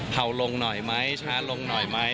เผาลงหน่อยไหมชาร์จลงหน่อยไหม